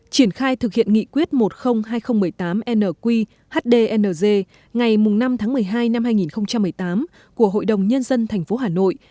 triển khai thực hiện nghị quyết một mươi hai nghìn một mươi tám nq hd ng ngày năm tháng một mươi hai năm hai nghìn một mươi tám của hội đồng nhân dân thành phố hà nội